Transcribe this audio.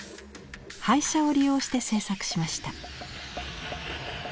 廃車を利用して制作しました。